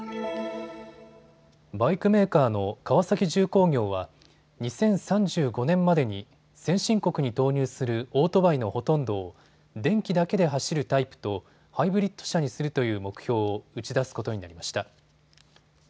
バイクメーカーの川崎重工業は２０３５年までに先進国に投入するオートバイのほとんどを電気だけで走るタイプとハイブリッド車にするという目標を打ち出すことになりました。